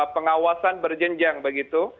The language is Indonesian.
pengawasan berjenjang begitu